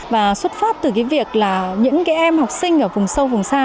và xuất phát từ cái việc là những cái em học sinh ở vùng sâu vùng xa